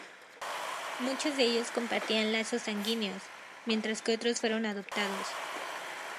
Muchos de ellos compartían lazos sanguíneos, mientras que otros fueron adoptados.